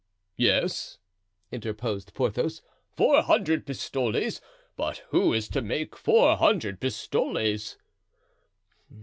"Yes," interposed Porthos, "four hundred pistoles; but who is to make four hundred pistoles?"